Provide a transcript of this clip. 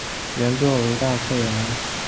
原作为大友克洋的同名短篇漫画。